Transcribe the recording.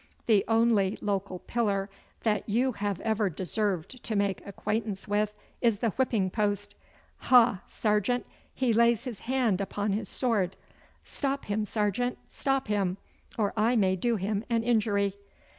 The only local pillar that you have ever deserved to make acquaintance with is the whipping post. Ha, sergeant, he lays his hand upon his sword! Stop him, sergeant, stop him, or I may do him an injury.